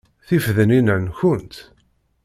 Tifednin-a nkent?